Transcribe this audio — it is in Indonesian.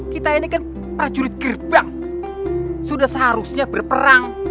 kita ini kan prajurit gerbang sudah seharusnya berperang